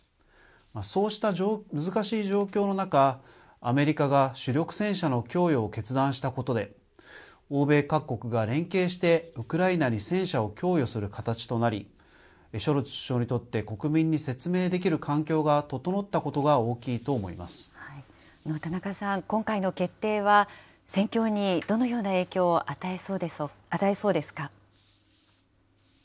そうした難しい状況の中、アメリカが主力戦車の供与を決断したことで、欧米各国が連携してウクライナに戦車を供与する形となり、ショルツ首相にとって国民に説明できる環境が整ったことが大きい田中さん、今回の決定は戦況にどのような影響を与えそうですか。